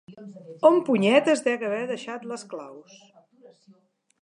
On punyetes dec haver deixat les claus?